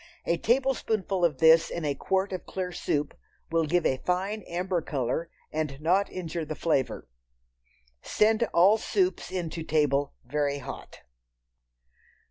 A tablespoonful of this in a quart of clear soup will give a fine amber color and not injure the flavor. Send all soups in to table very hot.